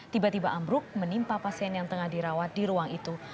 tiba tiba ambruk menimpa pasien yang tengah dirawat di ruang itu